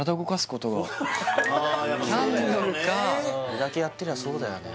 これだけやってりゃそうだよね